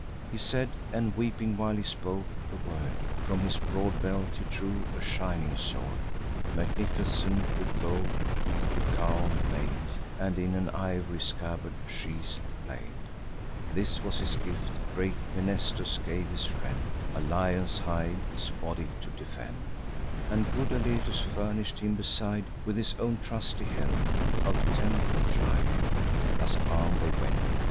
He said, and weeping, while he spoke the word, From his broad belt he drew a shining sword, Magnificent with gold. Lycaon made, And in an ivory scabbard sheath'd the blade. This was his gift. Great Mnestheus gave his friend A lion's hide, his body to defend; And good Alethes furnish'd him, beside, With his own trusty helm, of temper tried. Thus arm'd they went.